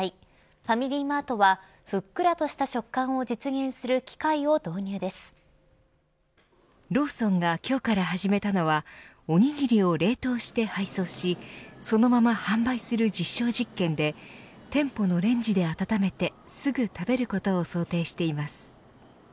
ファミリーマートはふっくらとしたローソンが今日から始めたのはおにぎりを冷凍して配送しそのまま販売する実証実験で店舗のレンジで温めてすぐ食べることを想定しています。